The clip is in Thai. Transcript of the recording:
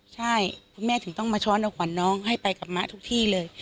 ใช่คุณแม่ถึงต้องมาช้อนเอาขวัญน้องให้ไปกับมะทุกที่เลย